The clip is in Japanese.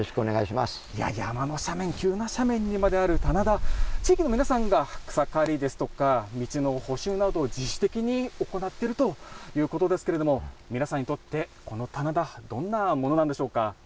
いやあ、山の斜面、急な斜面にまである棚田、地域の皆さんが草刈りですとか、道の補修などを自主的に行っているということですけれども、皆さんにとって、この棚田、どんなものなんでしょう